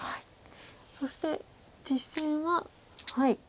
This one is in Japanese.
そして実戦は。